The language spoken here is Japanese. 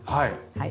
はい。